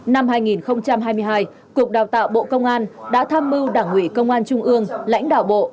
năm hai nghìn hai mươi hai cục đào tạo bộ công an đã tham mưu đảng ủy công an trung ương lãnh đạo bộ